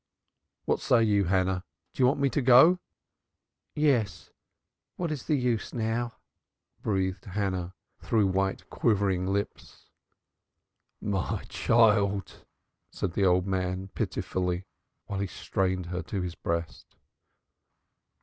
"What say you, Hannah? Do you wish me to go?" "Yes What is the use now?" breathed Hannah through white quivering lips. "My child!" said the old man pitifully, while he strained her to his breast.